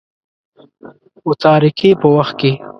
متارکې په وخت کې.